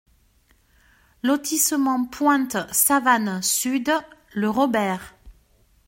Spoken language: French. Lotissement Pointe Savane Sud, Le Robert